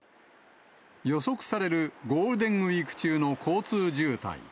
予測されるゴールデンウィーク中の交通渋滞。